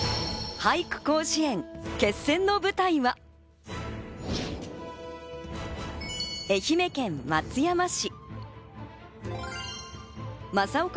俳句甲子園、決戦の舞台は愛媛県松山市。